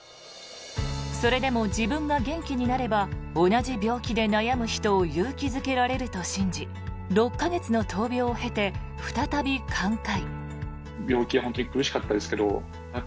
それでも自分が元気になれば同じ病気で悩む人を勇気付けられると信じ６か月の闘病を経て再び寛解。